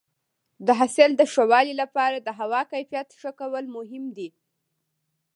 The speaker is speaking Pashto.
د حاصل د ښه والي لپاره د هوا کیفیت ښه کول مهم دي.